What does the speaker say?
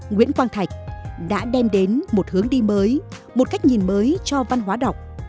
nguyễn quang thạch đã đem đến một hướng đi mới một cách nhìn mới cho các em